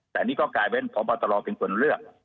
แต่นี่ก็กลายเป็นพบตรเป็นคนเลือก